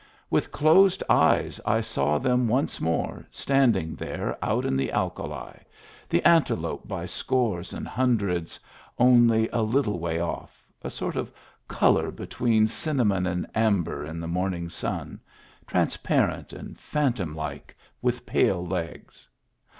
With closed eyes I saw them once more, standing there out in the alkali, the antelope by scores and hundreds, only a little way oflF, a sort of color between cinnamon and amber in the morning sun, transparent and phantom4ike, with pale legs.